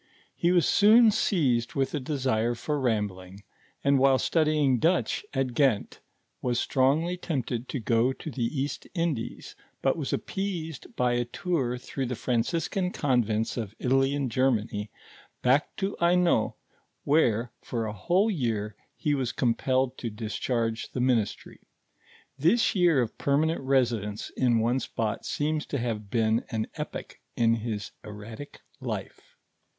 He wos soon seized with a desire of rambling; and while studying Dutch ot Ghent, was strongly tempted to go to the East Indies, but was appeased by a tour through the Fran ciscan convents of Italy and Germany, back to Hainault, where, for a whole year, he was compelled to discharge the ministry. This year of permanent resi dence in one spot seems to have been an epoch in his erratic life.